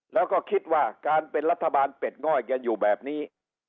แล้วก็คิดว่าการเป็นรัฐบาลเป็ดง่อยกันอยู่แบบนี้